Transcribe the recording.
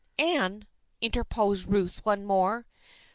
" Anne," interposed Ruth once more.